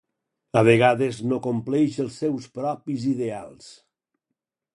A vegades no compleix els seus propis ideals.